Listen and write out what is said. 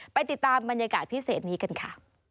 ไปติดตามบรรยากาศพิเศษนี้กันค่ะ